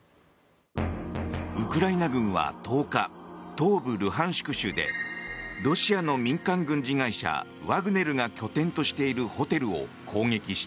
ウクライナ軍は１０日東部ルハンシク州でロシアの民間軍事会社ワグネルが拠点としているホテルを攻撃した。